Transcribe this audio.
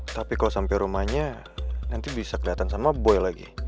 tapi kalau sampai rumahnya nanti bisa kelihatan sama boy lagi